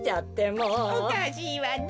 おかしいわね